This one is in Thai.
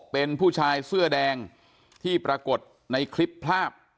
เป็นผู้ชายเสื้อแดงที่ปรากฏในคลิปภาพ